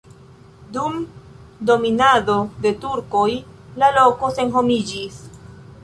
Dum dominado de turkoj la loko senhomiĝis.